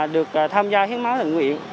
được tham gia hiến máu tình nguyện